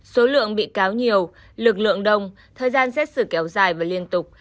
số lượng bị cáo nhiều lực lượng đông thời gian xét xử kéo dài và liên tục